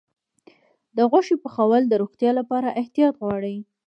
د غوښې پخول د روغتیا لپاره احتیاط غواړي.